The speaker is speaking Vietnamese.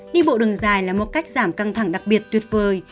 đi bộ đường dài là một cách giảm căng thẳng đặc biệt tuyệt vời